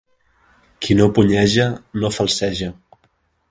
Qui no punyeja, no falceja.